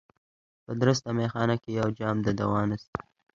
په درسته مېخانه کي یو جام د دوا نسته